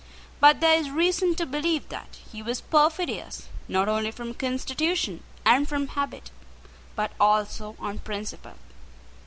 But there is reason to believe that he was perfidious, not only from constitution and from habit, but also on principle.